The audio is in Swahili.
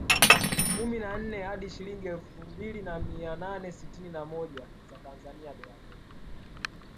kumi na nne hadi shilingi elfu mbili mia nane sitin na moja za Tanzania dola moja